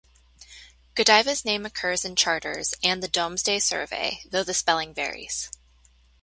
Godiva's name occurs in charters and the Domesday survey, though the spelling varies.